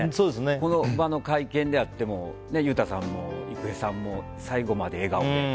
この場の会見であっても裕太さんも郁恵さんも最後まで笑顔で。